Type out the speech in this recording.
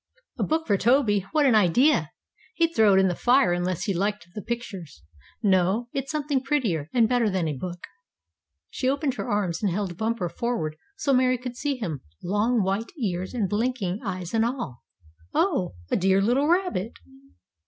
"A book for Toby! What an idea! He'd throw it in the fire unless he liked the pictures. No, it's something prettier and better than a book." She opened her arms, and held Bumper forward so Mary could see him, long, white ears and blinking eyes and all. "Oh! A dear little rabbit!"